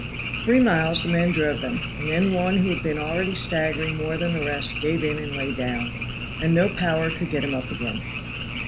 Three miles the men drove them, and then one who had been already staggering more than the rest gave in and lay down, and no power could get him up again.